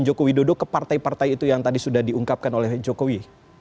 jokowi dodo ke partai partai itu yang tadi sudah diungkapkan oleh jokowi